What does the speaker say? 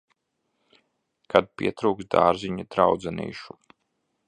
Kad pietrūkst dārziņa draudzenīšu.